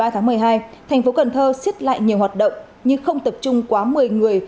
một mươi ba tháng một mươi hai thành phố cần thơ siết lại nhiều hoạt động nhưng không tập trung quá một mươi người